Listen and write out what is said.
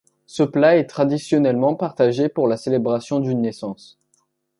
Ce plat est traditionnellement partagé pour la célébration d'une naissance.